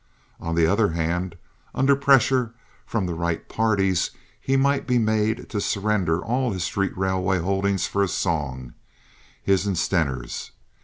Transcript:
On the other hand, under pressure from the right parties he might be made to surrender all his street railway holdings for a song—his and Stener's.